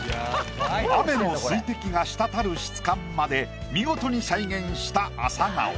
雨の水滴が滴る質感まで見事に再現したアサガオ。